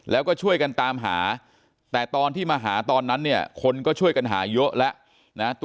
แล้วก็ช่วยกันตามหาแต่ตอนที่มาหาตอนนั้นเนี่ยคนก็ช่วยกันหาเยอะแล้วนะ